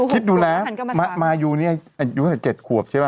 คิดดูแลมายูเนี่ยอายุเกือบ๗ขวบใช่ปะ